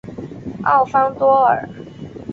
奥方多尔。